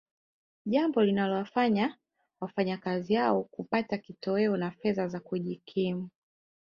jambo linalowafanya wakazi hao kupata kitoweo na fedha za kujikimu